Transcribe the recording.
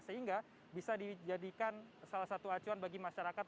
sehingga bisa dijadikan salah satu acuan bagi masyarakat